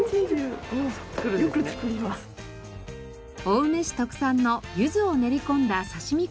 青梅市特産のゆずを練り込んだ刺身